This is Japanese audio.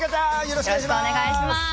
よろしくお願いします！